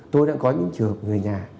tôi đã có những trường hợp người nhà